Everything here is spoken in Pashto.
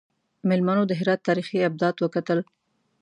میلمنو د هرات تاریخي ابدات وکتل.